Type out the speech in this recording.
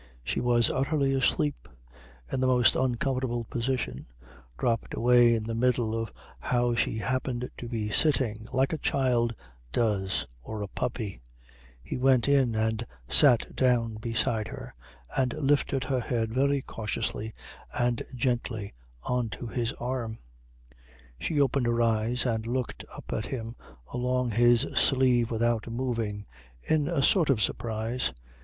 She was utterly asleep, in the most uncomfortable position, dropped away in the middle of how she happened to be sitting like a child does or a puppy; and he went in and sat down beside her and lifted her head very cautiously and gently on to his arm. She opened her eyes and looked up at him along his sleeve without moving, in a sort of surprise.